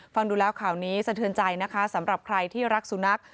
ฟังดูแล้วข่าวนี้สะเทือนใจนะคะสำหรับใครที่รักสุนัข